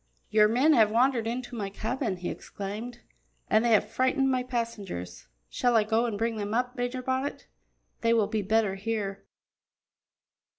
"Your men have wandered into my cabin," he exclaimed, "and they have frightened my passengers. Shall I go and bring them up, Major Bonnet? They will be better here."